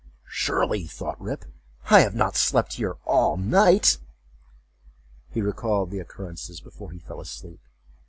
"Surely," thought Rip, "I have not slept here all night." He recalled the occurrences before he fell asleep.